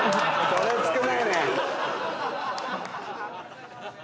そりゃ少ないね。